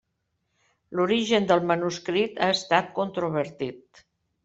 L'origen del manuscrit ha estat controvertit.